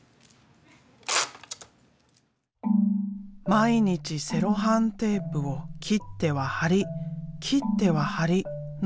毎日セロハンテープを切っては貼り切っては貼りの繰り返し。